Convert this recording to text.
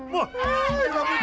lima puluh juta gua anggol